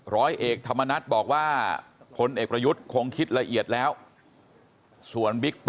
ร้อยเอกธรรมนัสบอกว่าพลเอกประยุทธ์คงคิดละเอียดแล้ว